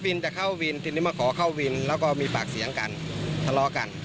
ทีนี้มาขอเข้าวินแล้วก็มีปากเสียงกันตลอกัน